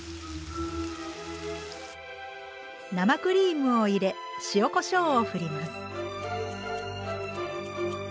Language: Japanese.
生クリームを入れ塩・こしょうをふります。